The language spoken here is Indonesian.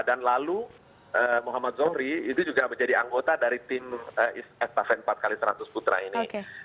dan lalu muhammad zomri itu juga menjadi anggota dari tim estafen empat x seratus putra ini